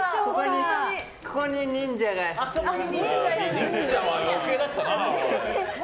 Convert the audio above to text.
忍者は余計だったな。